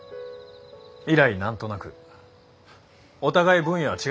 以来何となくお互い分野は違いますけどね。